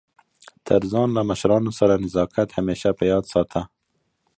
تر ځان له مشرانو سره نزاکت همېشه په یاد ساته!